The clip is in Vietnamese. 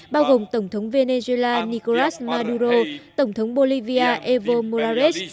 bao gồm tổng thống venezuela nicolas maduro tổng thống bolivia evo morales